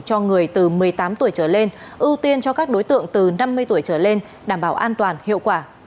cho người từ một mươi tám tuổi trở lên ưu tiên cho các đối tượng từ năm mươi tuổi trở lên đảm bảo an toàn hiệu quả